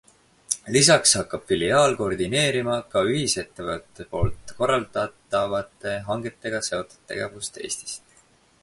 Lisaks hakkab filiaal koordineerima ka ühisettevõtte poolt korraldatavate hangetega seotud tegevust Eestis.